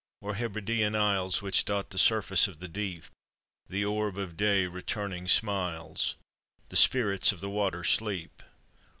O'er Hebridean Isles, Which dot the surface of the deop, The orb of day returning smiles, The spirits of the water sleep.